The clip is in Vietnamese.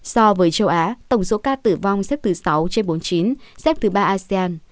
so với châu á tổng số ca tử vong xếp thứ sáu trên bốn mươi chín xếp thứ ba asean